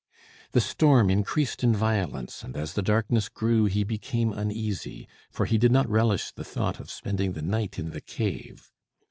The storm increased in violence, and as the darkness grew he became uneasy, for he did not relish the thought of spending the night in the cave.